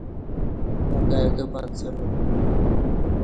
اوں کائ کہ پنڅہ لوم